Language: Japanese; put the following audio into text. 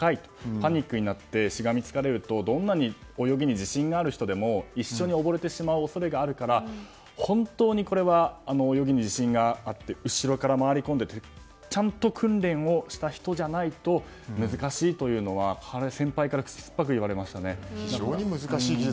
パニックになってしがみつかれるとどんなに泳ぎに自信がある人でも一緒に溺れてしまう恐れがあるから本当に泳ぎに自信があって後ろから回り込んでとちゃんと訓練をした人じゃないと難しいというのは、先輩から口酸っぱく言われましたね。